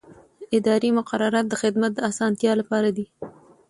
اداري مقررات د خدمت د اسانتیا لپاره دي.